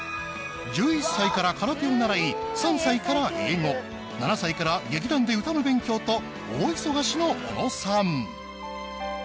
１１歳から空手を習い３歳から英語７歳から劇団で歌の勉強と大忙しの小野さん。